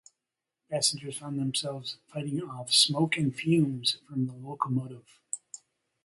Passengers found themselves fighting off smoke and fumes from the locomotive.